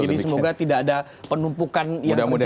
jadi semoga tidak ada penumpukan yang terjadi gitu ya